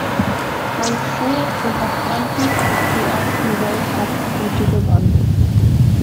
Rang fuhr und auf Anhieb die ersten Weltcuppunkte gewann.